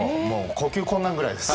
呼吸困難ぐらい。